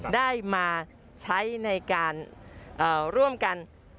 ได้มาใช้ในการร่วมกัน